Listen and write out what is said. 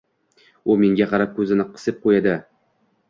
U menga qarab ko‘zini qisib qo‘yadi.